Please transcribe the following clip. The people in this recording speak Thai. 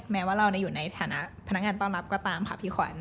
แม้ว่าเราจะอยู่ในฐานะพนักงานต้อนรับก็ตามค่ะพี่ขวัญ